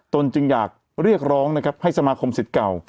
จึงอยากเรียกร้องนะครับให้สมาคมสิทธิ์เก่า